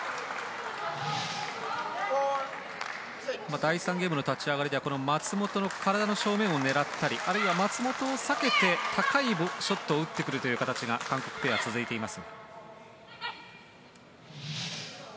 第３ゲームの立ち上がりでは松本の体の正面を狙ったりあるいは松本を避けて高いショットを打ってくる形が韓国ペア、続いています。